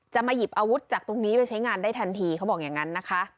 มาหยิบอาวุธจากตรงนี้ไปใช้งานได้ทันทีเขาบอกอย่างนั้นนะคะ